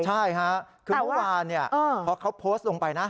ใช่ค่ะคือเมื่อวานพอเขาโพสต์ลงไปนะ